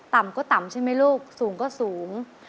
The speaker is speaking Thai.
ต่ำก็ต่ำใช่ไหมลูกสูงก็สูง